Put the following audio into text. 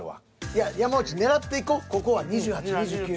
いや山内狙っていこうここは２８２９。